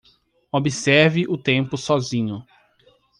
Observe o tempo sozinho